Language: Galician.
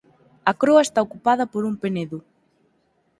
A croa está ocupada por un penedo.